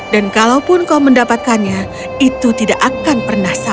dan kalaupun kau mendapatkannya itu tidak akan pernah sama